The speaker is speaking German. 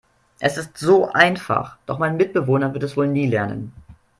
Es ist so einfach, doch mein Mitbewohner wird es wohl nie lernen.